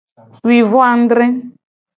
Wi vo adre.